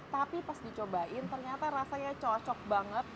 tapi pas dicobain ternyata rasanya cocok banget